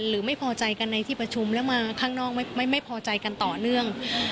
หรือไม่พอใจกันในที่ประชุมแล้วมาข้างนอกไม่พอใจกันต่อเนื่อง